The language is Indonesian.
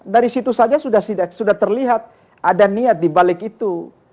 dari situ saja sudah terlihat ada niat dibalik itu